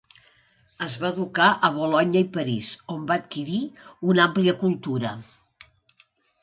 Es va educar a Bolonya i París, on va adquirir una àmplia cultura.